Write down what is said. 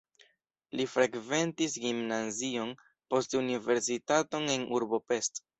Li frekventis gimnazion, poste universitaton en urbo Pest.